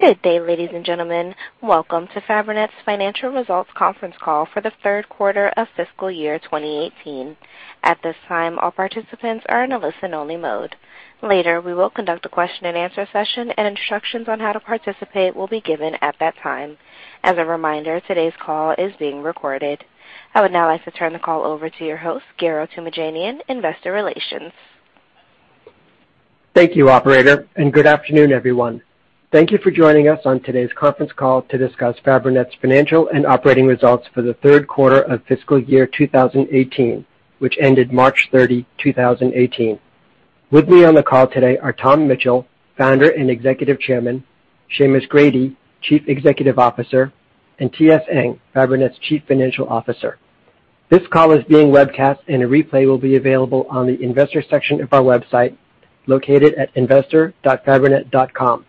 Good day, ladies and gentlemen. Welcome to Fabrinet's financial results conference call for the third quarter of fiscal year 2018. At this time, all participants are in a listen only mode. Later, we will conduct a question and answer session, and instructions on how to participate will be given at that time. As a reminder, today's call is being recorded. I would now like to turn the call over to your host, Garo Toomajanian, Investor Relations. Thank you, operator, good afternoon, everyone. Thank you for joining us on today's conference call to discuss Fabrinet's financial and operating results for the third quarter of fiscal year 2018, which ended March 30, 2018. With me on the call today are Tom Mitchell, founder and Executive Chairman, Seamus Grady, Chief Executive Officer, and Toh-Seng Ng, Fabrinet's Chief Financial Officer. This call is being webcast and a replay will be available on the investor section of our website, located at investor.fabrinet.com.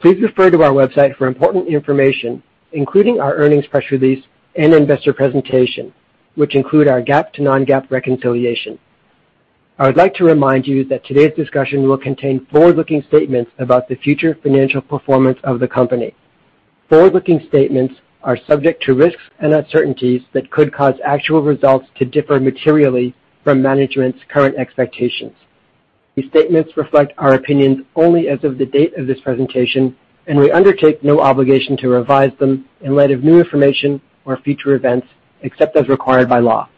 Please refer to our website for important information, including our earnings press release and investor presentation, which include our GAAP to non-GAAP reconciliation. I would like to remind you that today's discussion will contain forward-looking statements about the future financial performance of the company. Forward-looking statements are subject to risks and uncertainties that could cause actual results to differ materially from management's current expectations. These statements reflect our opinions only as of the date of this presentation, we undertake no obligation to revise them in light of new information or future events, except as required by law.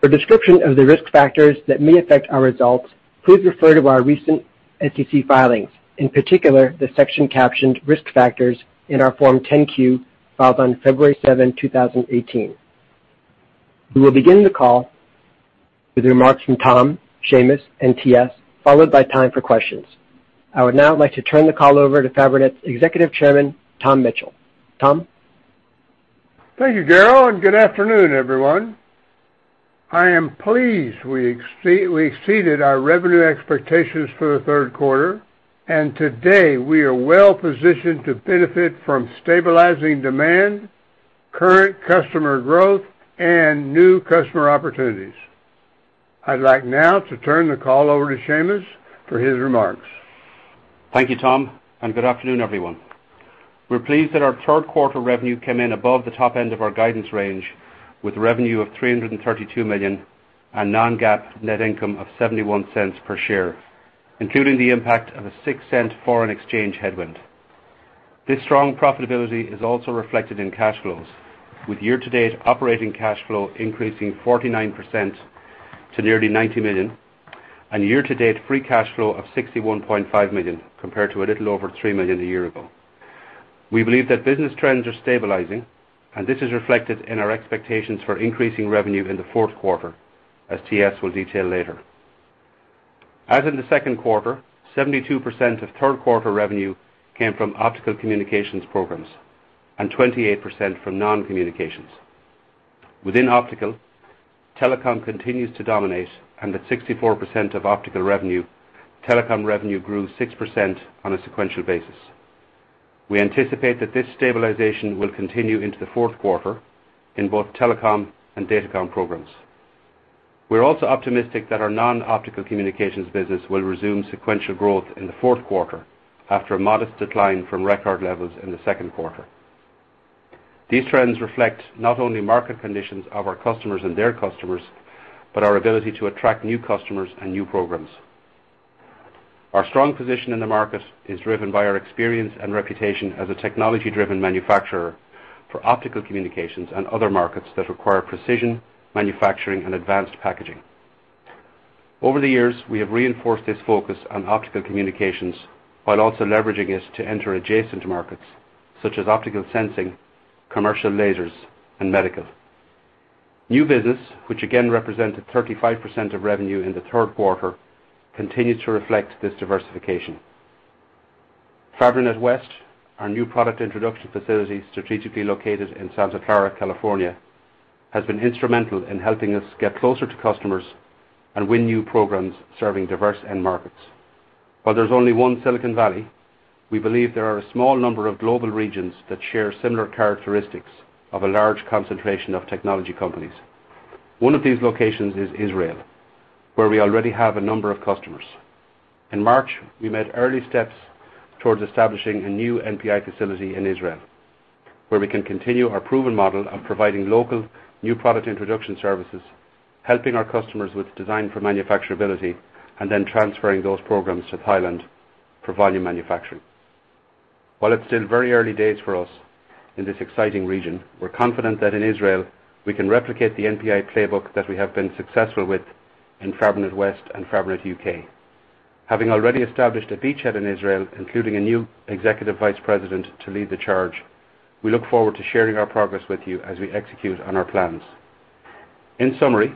For a description of the risk factors that may affect our results, please refer to our recent SEC filings, in particular, the section captioned "Risk Factors" in our Form 10-Q filed on February 7, 2018. We will begin the call with remarks from Tom, Seamus, and T.S., followed by time for questions. I would now like to turn the call over to Fabrinet's Executive Chairman, Tom Mitchell. Tom? Thank you, Garo, good afternoon, everyone. I am pleased we exceeded our revenue expectations for the third quarter, today we are well positioned to benefit from stabilizing demand, current customer growth, and new customer opportunities. I'd like now to turn the call over to Seamus for his remarks. Thank you, Tom, and good afternoon, everyone. We're pleased that our third quarter revenue came in above the top end of our guidance range with revenue of $332 million and non-GAAP net income of $0.71 per share, including the impact of a $0.06 foreign exchange headwind. This strong profitability is also reflected in cash flows, with year-to-date operating cash flow increasing 49% to nearly $90 million, and year-to-date free cash flow of $61.5 million, compared to a little over $3 million a year ago. We believe that business trends are stabilizing, and this is reflected in our expectations for increasing revenue in the fourth quarter, as T.S. will detail later. As in the second quarter, 72% of third quarter revenue came from optical communications programs, and 28% from non-communications. Within optical, telecom continues to dominate, and at 64% of optical revenue, telecom revenue grew 6% on a sequential basis. We anticipate that this stabilization will continue into the fourth quarter in both telecom and datacom programs. We're also optimistic that our non-optical communications business will resume sequential growth in the fourth quarter after a modest decline from record levels in the second quarter. These trends reflect not only market conditions of our customers and their customers, but our ability to attract new customers and new programs. Our strong position in the market is driven by our experience and reputation as a technology-driven manufacturer for optical communications and other markets that require precision manufacturing and advanced packaging. Over the years, we have reinforced this focus on optical communications while also leveraging it to enter adjacent markets, such as optical sensing, commercial lasers, and medical. New business, which again represented 35% of revenue in the third quarter, continued to reflect this diversification. Fabrinet West, our new product introduction facility strategically located in Santa Clara, California, has been instrumental in helping us get closer to customers and win new programs serving diverse end markets. While there's only one Silicon Valley, we believe there are a small number of global regions that share similar characteristics of a large concentration of technology companies. One of these locations is Israel, where we already have a number of customers. In March, we made early steps towards establishing a new NPI facility in Israel, where we can continue our proven model of providing local new product introduction services, helping our customers with design for manufacturability, and then transferring those programs to Thailand for volume manufacturing. While it's still very early days for us in this exciting region, we're confident that in Israel, we can replicate the NPI playbook that we have been successful with in Fabrinet West and Fabrinet UK. Having already established a beachhead in Israel, including a new executive vice president to lead the charge, we look forward to sharing our progress with you as we execute on our plans. In summary,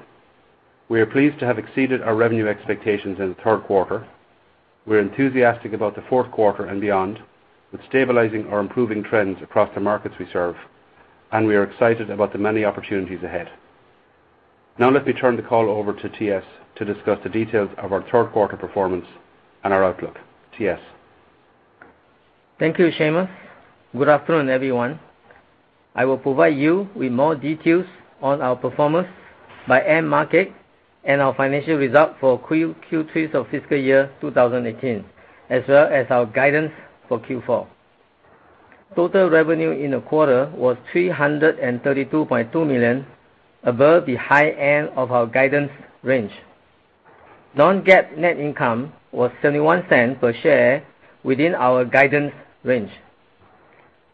we are pleased to have exceeded our revenue expectations in the third quarter. We're enthusiastic about the fourth quarter and beyond, with stabilizing or improving trends across the markets we serve, and we are excited about the many opportunities ahead. Now let me turn the call over to T.S. to discuss the details of our third quarter performance and our outlook. T.S.? Thank you, Seamus. Good afternoon, everyone. I will provide you with more details on our performance by end market and our financial results for Q3 of FY 2018, as well as our guidance for Q4. Total revenue in the quarter was $332.2 million above the high end of our guidance range. non-GAAP net income was $0.71 per share within our guidance range.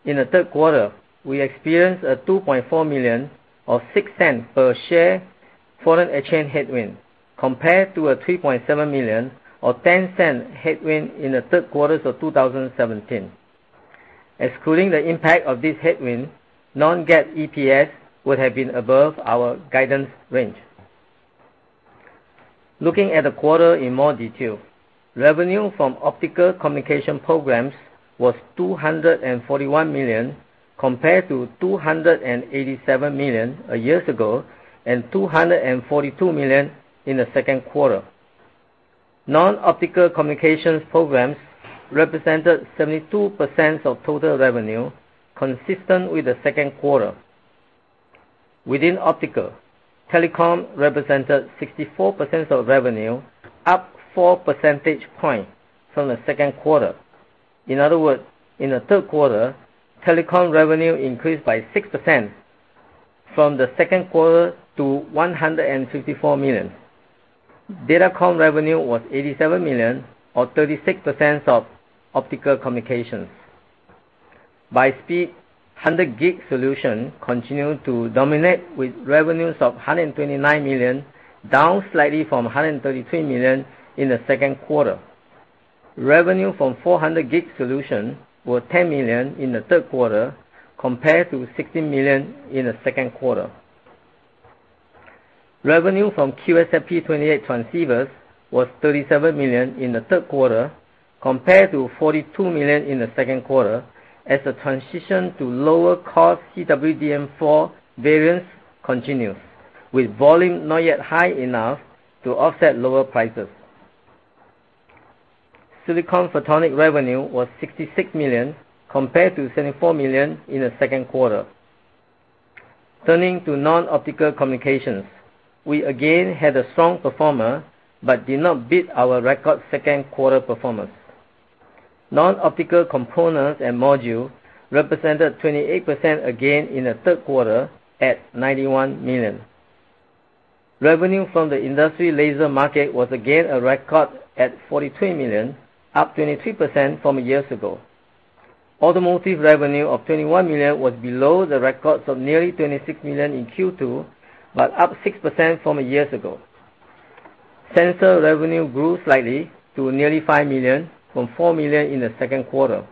In the third quarter, we experienced a $2.4 million of $0.06 per share foreign exchange headwind, compared to a $3.7 million or $0.10 headwind in the third quarters of 2017. Excluding the impact of this headwind, non-GAAP EPS would have been above our guidance range. Looking at the quarter in more detail, revenue from optical communication programs was $241 million, compared to $287 million a year ago and $242 million in the second quarter. non-optical communications programs represented 72% of total revenue, consistent with the second quarter. Within optical, telecom represented 64% of revenue, up four percentage points from the second quarter. In other words, in Q3, telecom revenue increased by 6% from Q2 to $154 million. datacom revenue was $87 million, or 36% of optical communications. By speed, 100G solution continued to dominate with revenues of $129 million, down slightly from $133 million in Q2. Revenue from 400G solution was $10 million in Q3, compared to $16 million in Q2. Revenue from QSFP28 transceivers was $37 million in Q3, compared to $42 million in Q2 as the transition to lower cost CWDM4 variants continues, with volume not yet high enough to offset lower prices. silicon photonics revenue was $66 million, compared to $74 million in Q2. Turning to non-optical communications. We again had a strong performer but did not beat our record second quarter performance. non-optical components and module represented 28% again in Q3 at $91 million. Revenue from the industrial laser market was again a record at $43 million, up 23% from a year ago. Automotive revenue of $21 million was below the records of nearly $26 million in Q2, but up 6% from a year ago. Sensor revenue grew slightly to nearly $5 million from $4 million in Q2.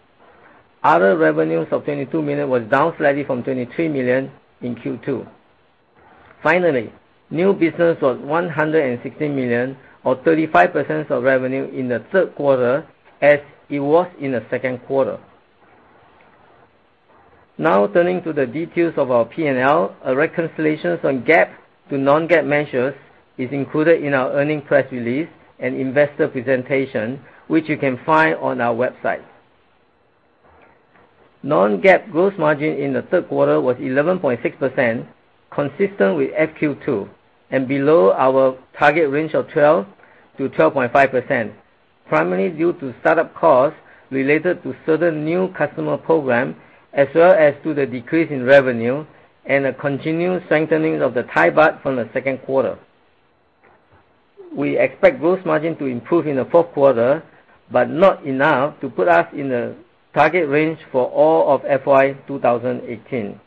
Other revenues of $22 million was down slightly from $23 million in Q2. Finally, new business was $116 million, or 35% of revenue in Q3 as it was in Q2. Now turning to the details of our P&L, a reconciliations on GAAP to non-GAAP measures is included in our earnings press release and investor presentation, which you can find on our website. Non-GAAP gross margin in Q3 was 11.6%, consistent with FQ2 and below our target range of 12%-12.5%, primarily due to start-up costs related to certain new customer program, as well as to the decrease in revenue and a continued strengthening of the Thai baht from Q2. We expect gross margin to improve in Q4, but not enough to put us in the target range for all of FY 2018.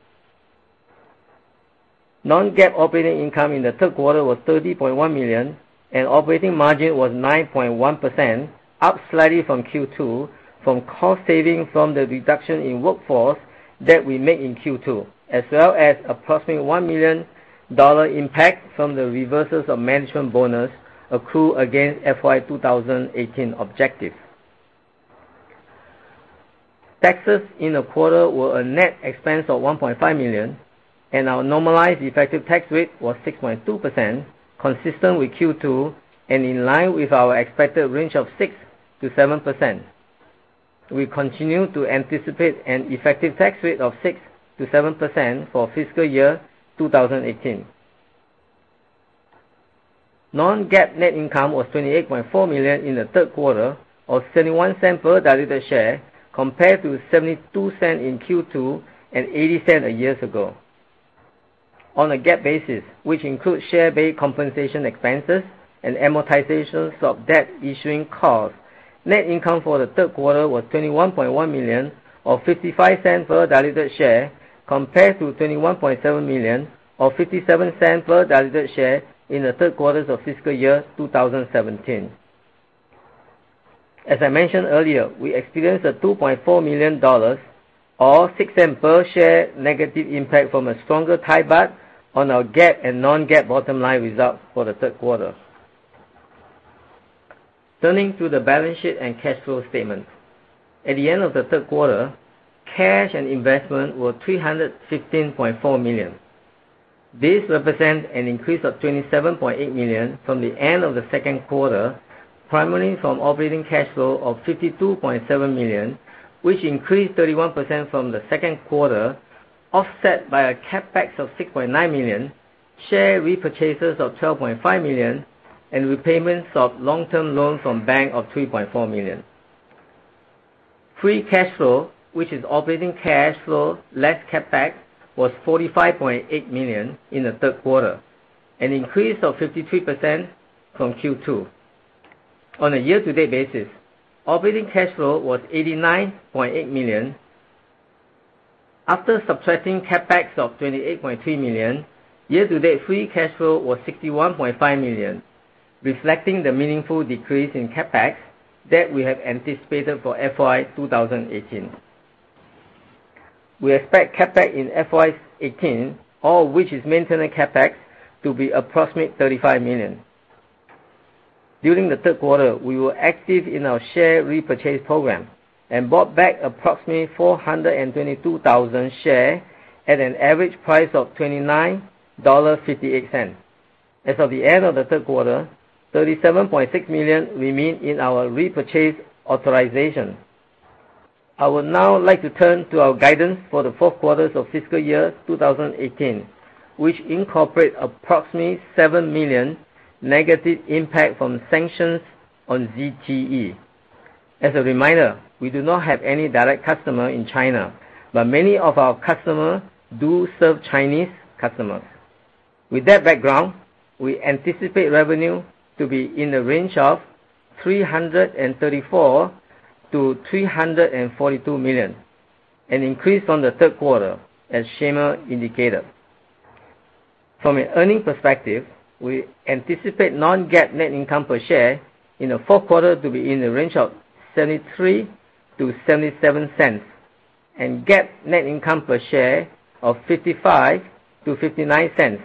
Non-GAAP operating income in Q3 was $30.1 million, and operating margin was 9.1%, up slightly from Q2 from cost saving from the reduction in workforce that we made in Q2, as well as approximately $1 million impact from the reversal of management bonus accrue against FY 2018 objective. Taxes in the quarter were a net expense of $1.5 million, and our normalized effective tax rate was 6.2%, consistent with Q2 and in line with our expected range of 6%-7%. We continue to anticipate an effective tax rate of 6%-7% for fiscal year 2018. Non-GAAP net income was $28.4 million in Q3, or $0.71 per diluted share, compared to $0.72 in Q2 and $0.80 a year ago. On a GAAP basis, which includes share-based compensation expenses and amortizations of debt issuing costs, net income for Q3 was $21.1 million or $0.55 per diluted share, compared to $21.7 million or $0.57 per diluted share in Q3 of fiscal year 2017. As I mentioned earlier, we experienced a $2.4 million or $0.06 per share negative impact from a stronger Thai baht on our GAAP and non-GAAP bottom line results for Q3. Turning to the balance sheet and cash flow statement. At the end of Q3, cash and investment were $315.4 million. This represents an increase of $27.8 million from the end of the second quarter, primarily from operating cash flow of $52.7 million, which increased 31% from the second quarter, offset by a CapEx of $6.9 million, share repurchases of $12.5 million, and repayments of long-term loans from bank of $3.4 million. Free cash flow, which is operating cash flow less CapEx, was $45.8 million in the third quarter, an increase of 53% from Q2. On a year-to-date basis, operating cash flow was $89.8 million. After subtracting CapEx of $28.3 million, year-to-date free cash flow was $61.5 million, reflecting the meaningful decrease in CapEx that we have anticipated for FY 2018. We expect CapEx in FY 2018, all of which is maintenance CapEx, to be approximate $35 million. During the third quarter, we were active in our share repurchase program and bought back approximately 422,000 shares at an average price of $29.58. As of the end of the third quarter, $37.6 million remain in our repurchase authorization. I would now like to turn to our guidance for the fourth quarter of fiscal year 2018, which incorporates approximately $7 million negative impact from sanctions on ZTE. As a reminder, we do not have any direct customers in China, but many of our customers do serve Chinese customers. With that background, we anticipate revenue to be in the range of $334 million-$342 million, an increase from the third quarter, as Seamus indicated. From an earnings perspective, we anticipate non-GAAP net income per share in the fourth quarter to be in the range of $0.73-$0.77, and GAAP net income per share of $0.55-$0.59,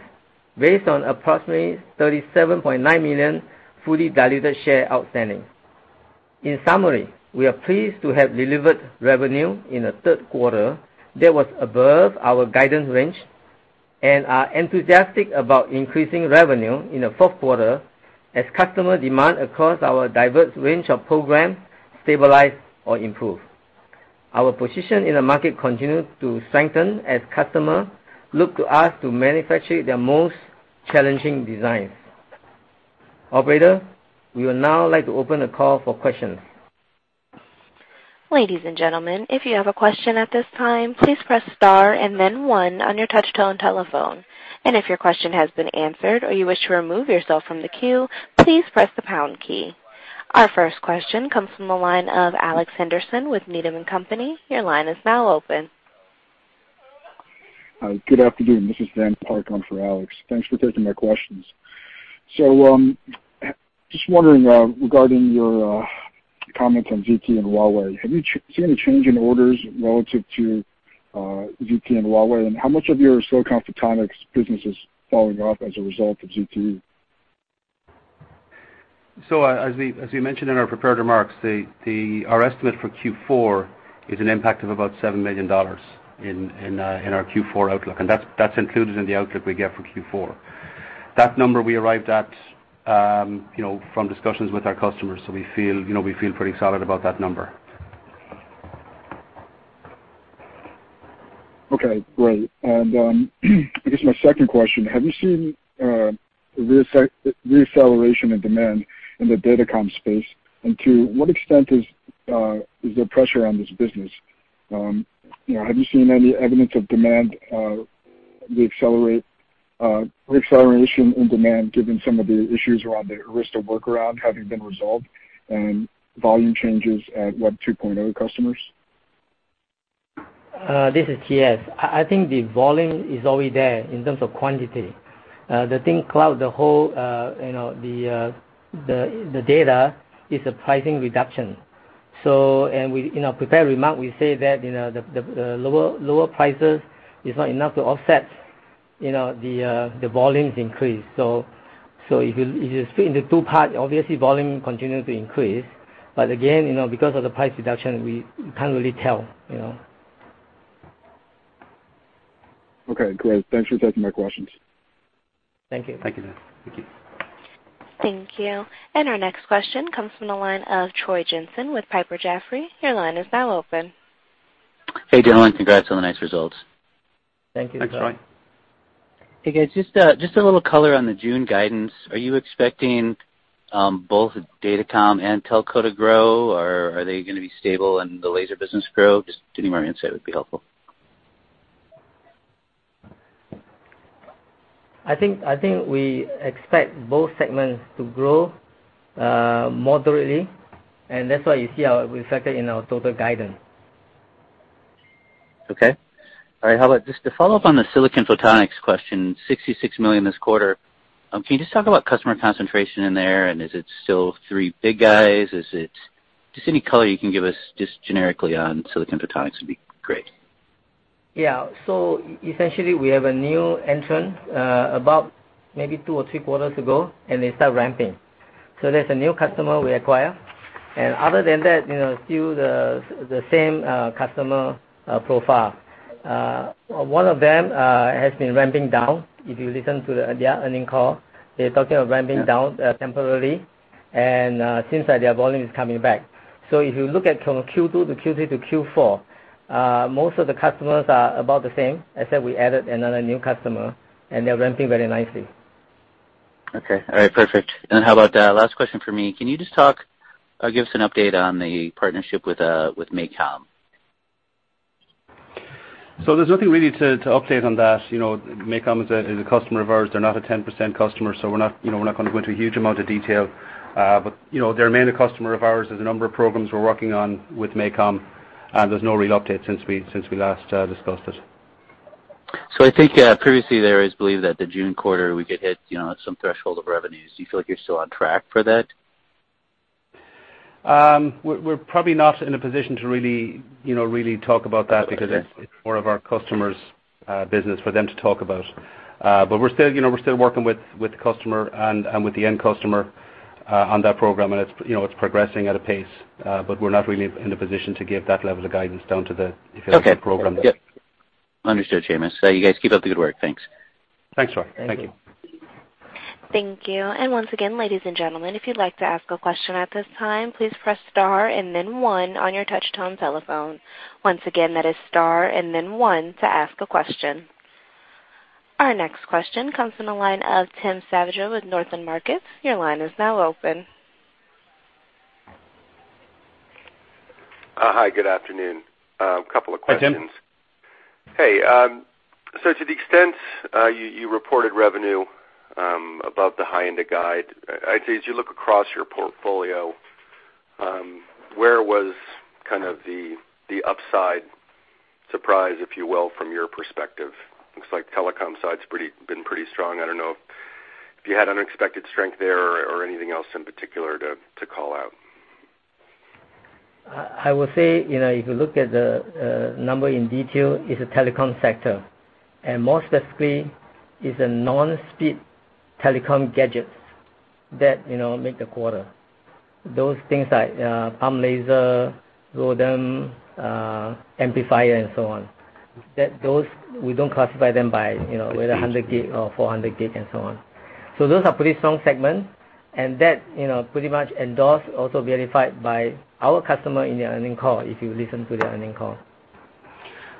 based on approximately 37.9 million fully diluted shares outstanding. In summary, we are pleased to have delivered revenue in the third quarter that was above our guidance range and are enthusiastic about increasing revenue in the fourth quarter as customer demand across our diverse range of programs stabilize or improve. Our position in the market continues to strengthen as customers look to us to manufacture their most challenging designs. Operator, we would now like to open the call for questions. Ladies and gentlemen, if you have a question at this time, please press star and then one on your touch-tone telephone. If your question has been answered, or you wish to remove yourself from the queue, please press the pound key. Our first question comes from the line of Alex Henderson with Needham & Company. Your line is now open. Hi, good afternoon. This is Dan Park on for Alex. Thanks for taking my questions. Just wondering regarding your comment on ZTE and Huawei, have you seen any change in orders relative to ZTE and Huawei? How much of your silicon photonics business is falling off as a result of ZTE? As we mentioned in our prepared remarks, our estimate for Q4 is an impact of about $7 million in our Q4 outlook, and that's included in the outlook we gave for Q4. That number we arrived at from discussions with our customers, so we feel pretty solid about that number. Okay, great. I guess my second question, have you seen a re-acceleration of demand in the datacom space? To what extent is there pressure on this business? Have you seen any evidence of re-acceleration in demand given some of the issues around the Arista workaround having been resolved and volume changes at Web 2.0 customers? This is T.S. I think the volume is already there in terms of quantity. The thing, Cloud, the whole data is a pricing reduction. In our prepared remarks, we say that the lower prices is not enough to offset the volumes increase. If you split it into two parts, obviously volume continues to increase. Again, because of the price reduction, we can't really tell. Okay, great. Thanks for taking my questions. Thank you. Thank you. Thank you. Thank you. Our next question comes from the line of Troy Jensen with Piper Jaffray. Your line is now open. Hey, gentlemen. Congrats on the nice results. Thank you. Thanks, Troy. Hey, guys, just a little color on the June guidance. Are you expecting both datacom and telco to grow, or are they going to be stable and the laser business grow? Just any more insight would be helpful. I think we expect both segments to grow moderately, that's why you see how it reflected in our total guidance. Okay. All right. How about just to follow up on the silicon photonics question, $66 million this quarter. Can you just talk about customer concentration in there, and is it still three big guys? Just any color you can give us just generically on silicon photonics would be great. Yeah. Essentially we have a new entrant about maybe two or three quarters ago, and they start ramping. There's a new customer we acquire. Other than that, still the same customer profile. One of them has been ramping down. If you listen to their earning call, they're talking of ramping down temporarily, and it seems like their volume is coming back. If you look at from Q2 to Q3 to Q4, most of the customers are about the same, except we added another new customer, and they're ramping very nicely. Okay. All right, perfect. How about, last question from me. Can you just talk or give us an update on the partnership with MACOM? There's nothing really to update on that. MACOM is a customer of ours. They're not a 10% customer, so we're not going to go into a huge amount of detail. They remain a customer of ours. There's a number of programs we're working on with MACOM, and there's no real update since we last discussed it. I think previously there is belief that the June quarter, we could hit some threshold of revenues. Do you feel like you're still on track for that? We're probably not in a position to really talk about that because it's more of our customer's business for them to talk about. We're still working with the customer and with the end customer on that program, and it's progressing at a pace. We're not really in a position to give that level of guidance down to the program. Okay. Yep. Understood, Seamus. You guys keep up the good work. Thanks. Thanks, Troy. Thank you. Thank you. Thank you. Thank you. Once again, ladies and gentlemen, if you'd like to ask a question at this time, please press star and then one on your touchtone telephone. Once again, that is star and then one to ask a question. Our next question comes from the line of Tim Savageaux with Northland Capital Markets. Your line is now open. Hi, good afternoon. A couple of questions. Hi, Tim. Hey. To the extent you reported revenue above the high end of guide, I'd say, as you look across your portfolio, where was kind of the upside surprise, if you will, from your perspective? Looks like telecom side's been pretty strong. I don't know if you had unexpected strength there or anything else in particular to call out. I would say, if you look at the number in detail, it's the telecom sector. More specifically, it's a non-speed telecom gadget that make the quarter. Those things like Pump laser, EDFA amplifier, and so on. That those, we don't classify them by whether 100 gig or 400 gig and so on. Those are pretty strong segments, and that pretty much endorsed, also verified by our customer in their earnings call, if you listen to their earnings call.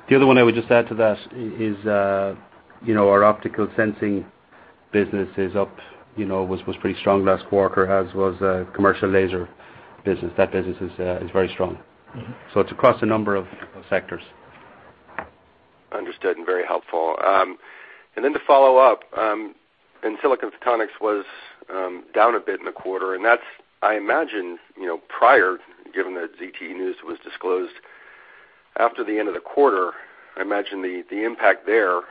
The other one I would just add to that is our optical sensing business is up. Was pretty strong last quarter, as was commercial laser business. That business is very strong. It's across a number of sectors. Understood, very helpful. To follow up, silicon photonics was down a bit in the quarter, that's, I imagine, prior, given that ZTE news was disclosed after the end of the quarter, I imagine the impact there,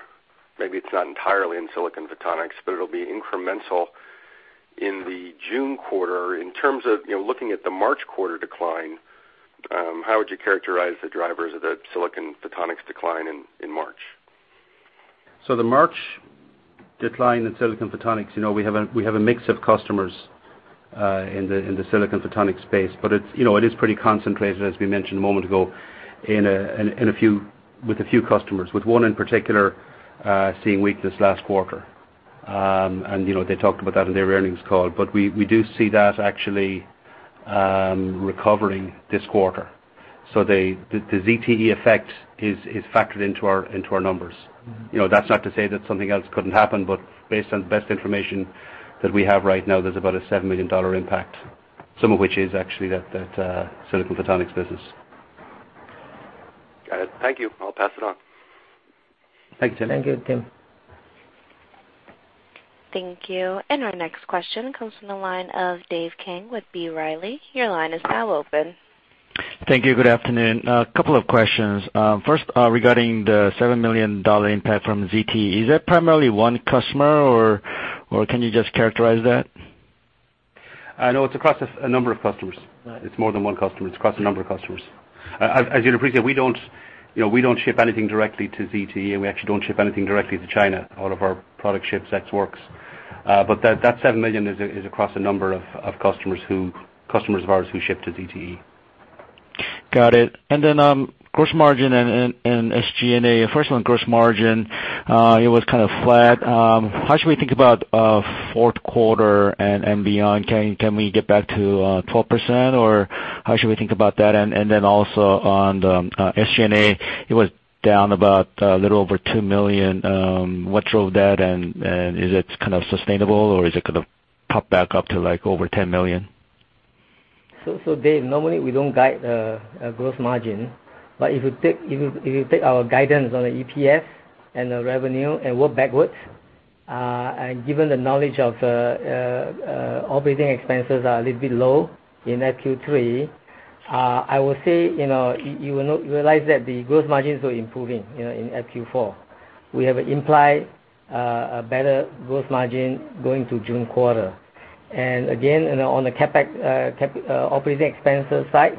maybe it's not entirely in silicon photonics, but it'll be incremental in the June quarter. In terms of looking at the March quarter decline, how would you characterize the drivers of the silicon photonics decline in March? The March decline in silicon photonics, we have a mix of customers in the silicon photonics space, but it is pretty concentrated, as we mentioned a moment ago, with a few customers, with one in particular seeing weakness last quarter. They talked about that in their earnings call. We do see that actually recovering this quarter. The ZTE effect is factored into our numbers. That's not to say that something else couldn't happen, but based on the best information that we have right now, there's about a $7 million impact, some of which is actually that silicon photonics business. Got it. Thank you. I'll pass it on. Thank you, Tim. Thank you, Tim. Thank you. Our next question comes from the line of Dave Kang with B. Riley. Your line is now open. Thank you. Good afternoon. A couple of questions. First, regarding the $7 million impact from ZTE. Is that primarily one customer or can you just characterize that? It's across a number of customers. Right. It's more than one customer. It's across a number of customers. As you'd appreciate, we don't ship anything directly to ZTE, and we actually don't ship anything directly to China. All of our product ships ex works. That $7 million is across a number of customers of ours who ship to ZTE. Got it. Gross margin and SG&A. First one, gross margin. It was kind of flat. How should we think about fourth quarter and beyond? Can we get back to 12%, or how should we think about that? Also on the SG&A, it was down about a little over $2 million. What drove that, and is it kind of sustainable, or is it going to pop back up to over $10 million? Dave, normally we don't guide a gross margin. If you take our guidance on the EPS and the revenue and work backwards, given the knowledge of operating expenses are a little bit low in Q3, I would say, you will realize that the gross margins were improving in FQ4. We have implied a better gross margin going to June quarter. Again, on the CapEx operating expenses side,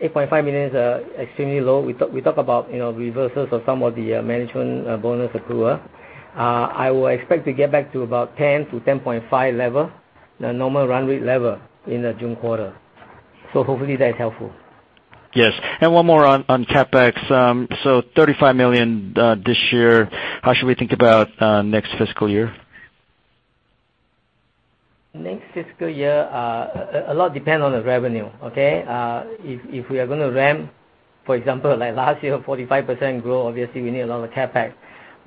$8.5 million is extremely low. We talk about reversals of some of the management bonus accrual. I will expect to get back to about $10 million-$10.5 million level, the normal run rate level, in the June quarter. Hopefully that is helpful. Yes. One more on CapEx. $35 million this year. How should we think about next fiscal year? Next fiscal year, a lot depend on the revenue, okay? If we are going to ramp, for example, like last year, 45% growth, obviously we need a lot of CapEx.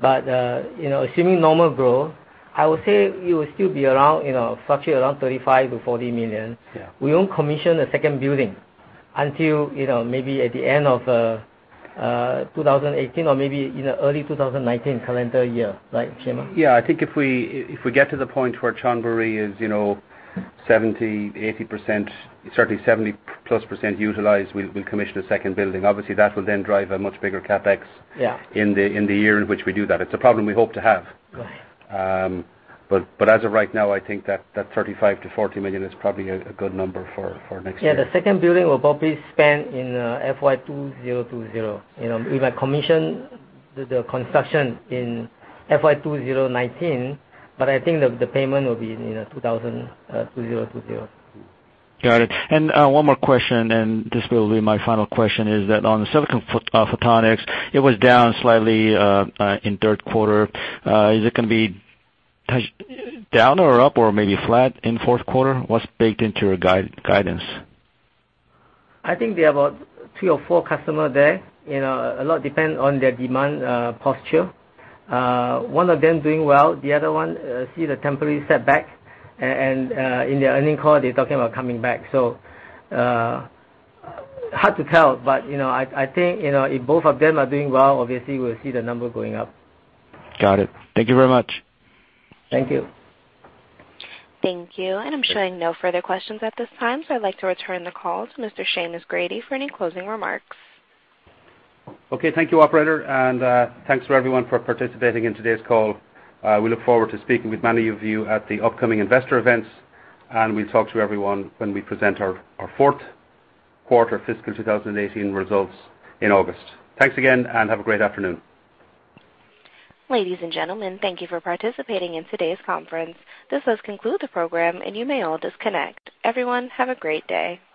Assuming normal growth, I would say it will still fluctuate around $35 million-$40 million. Yeah. We won't commission a second building until maybe at the end of 2018 or maybe in early 2019 calendar year, right, Seamus? I think if we get to the point where Chonburi is 70%, 80%, certainly 70-plus % utilized, we'll commission a second building. Obviously, that will then drive a much bigger CapEx- Yeah in the year in which we do that. It's a problem we hope to have. Right. As of right now, I think that $35 million-$40 million is probably a good number for next year. The second building will probably spend in FY 2020. We will commission the construction in FY 2019, but I think the payment will be in 2020. Got it. One more question, and this will be my final question, is that on silicon photonics, it was down slightly in third quarter. Is it going to be down or up or maybe flat in fourth quarter? What's baked into your guidance? I think there are about three or four customer there. A lot depend on their demand posture. One of them doing well, the other one, see the temporary setback. In their earning call, they're talking about coming back. Hard to tell, but I think if both of them are doing well, obviously we'll see the number going up. Got it. Thank you very much. Thank you. Thank you. I'm showing no further questions at this time, so I'd like to return the call to Mr. Seamus Grady for any closing remarks. Okay. Thank you, operator, thanks for everyone for participating in today's call. We look forward to speaking with many of you at the upcoming investor events, we'll talk to everyone when we present our fourth quarter fiscal 2018 results in August. Thanks again, have a great afternoon. Ladies and gentlemen, thank you for participating in today's conference. This does conclude the program, you may all disconnect. Everyone, have a great day.